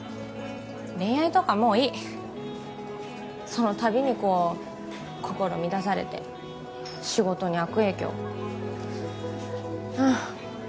恋愛とかもういいその度にこう心乱されて仕事に悪影響うん